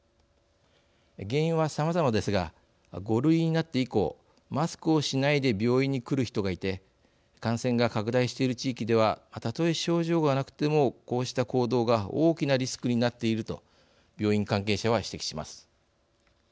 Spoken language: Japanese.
原因はさまざまですが５類になって以降マスクをしないで病院に来る人がいて感染が拡大している地域ではたとえ症状がなくてもこうした行動が大きなリスクになっていると病院関係者は指摘します。